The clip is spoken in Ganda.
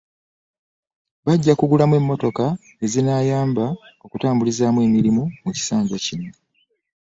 Bajja kugulamu emmotoka ezinaabayamba okutambulizaamu emirimu mu kisanja kino